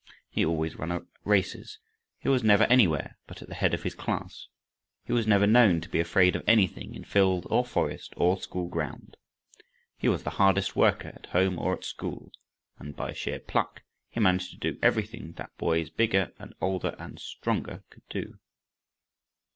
He always won at races, he was never anywhere but at the head of his class, he was never known to be afraid of anything in field or forest or school ground, he was the hardest worker at home or at school, and by sheer pluck he managed to do everything that boys bigger and older and stronger could do.